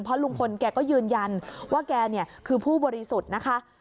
เพราะลุงพลแกก็ยืนยันว่าแกคือผู้บริสุทธิ์นะคะ